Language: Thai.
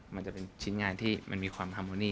มันจะเป็นชิ้นงานที่มันมีความฮาโมนี่